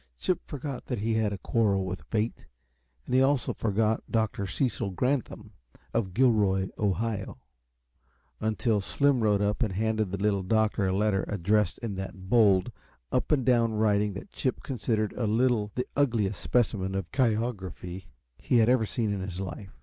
Chip forgot that he had a quarrel with fate, and he also forgot Dr. Cecil Granthum, of Gilroy, Ohio until Slim rode up and handed the Little Doctor a letter addressed in that bold, up and down writing that Chip considered a little the ugliest specimen of chirography he had ever seen in his life.